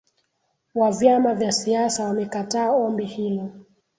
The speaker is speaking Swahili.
wa vyama vya siasa wamekataa ombi hilo